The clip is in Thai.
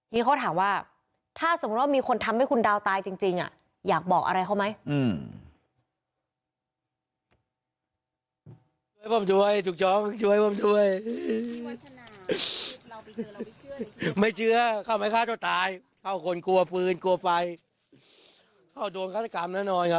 นี่เขาถามว่าถ้าสมมุติว่ามีคนทำให้คุณดาวตายจริงอยากบอกอะไรเขาไหม